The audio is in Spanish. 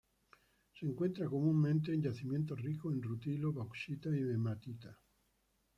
Se encuentra comúnmente en yacimientos ricos en rutilo, bauxita y hematita.